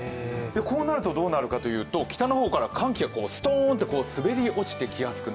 こうなるとどうなるかというと、北の方から寒気がストーンと滑り落ちてくる。